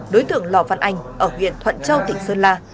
đối tượng lò văn anh ở huyện thuận châu tỉnh sơn la